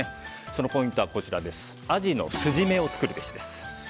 そのポイントはアジの酢じめを作るべしです。